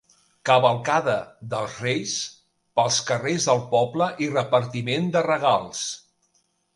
Cavalcada dels reis pels carrers del poble i repartiment de regals.